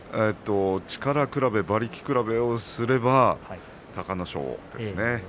力比べ、馬力比べをすれば隆の勝ですね。